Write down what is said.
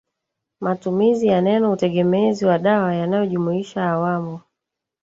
matumizi ya neno utegemezi wa dawa yanayojumuisha awamu